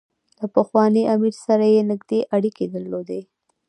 له پخواني امیر سره یې نېږدې اړیکې درلودې.